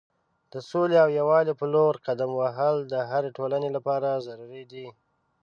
د سولې او یووالي په لور قدم وهل د هرې ټولنې لپاره ضروری دی.